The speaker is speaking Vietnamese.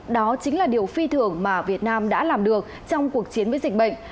đó chính là điều phi thường mà việt nam đã làm được trong cuộc chiến với dịch bệnh